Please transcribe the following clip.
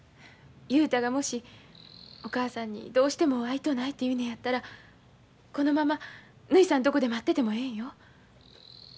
雄太がもしお母さんにどうしても会いとうないと言うねやったらこのままぬひさんとこで待っててもええんよ。